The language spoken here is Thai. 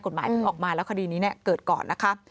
กฎหมายออกมาแล้วคดีนี้เนี่ยเกิดก่อนนะคะ